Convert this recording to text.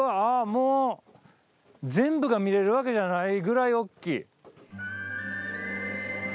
もう全部が見れるわけじゃないぐらい大きい。